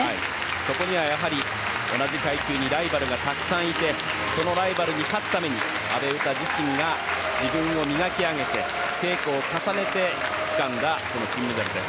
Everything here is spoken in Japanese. そこには、同じ階級にライバルがたくさんいてそのライバルに勝つために阿部詩自身が自分を磨き上げて稽古を重ねてつかんだ金メダルです。